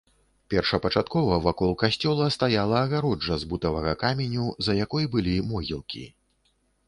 Першапачаткова вакол касцёла стаяла агароджа з бутавага каменю, за якой былі могілкі.